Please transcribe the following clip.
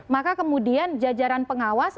maka kemudian jajaran pengawas